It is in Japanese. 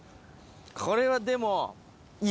これはでも。